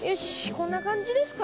こんな感じですか？